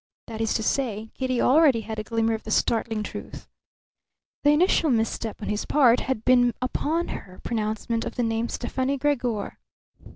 That is to say, Kitty already had a glimmer of the startling truth. The initial misstep on his part had been made upon her pronouncement of the name Stefani Gregor.